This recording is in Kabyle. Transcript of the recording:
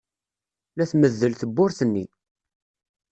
La tmeddel tewwurt-nni.